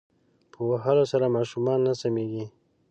په وهلو سره ماشومان نه سمیږی